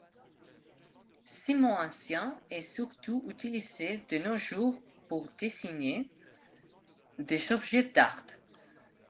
Ce mot ancien est surtout utilisé de nos jours pour désigner des objets d'art.